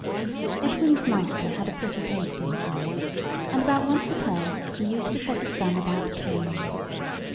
Edwin's master had a pretty taste in sums, and about once a term he used to set a sum about canes.